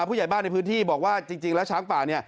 ผู้ใหญ่บ้านในพื้นที่บอกว่าจริงแล้วช้างป่า